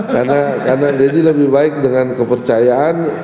karena jadi lebih baik dengan kepercayaan